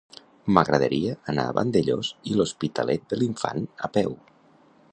M'agradaria anar a Vandellòs i l'Hospitalet de l'Infant a peu.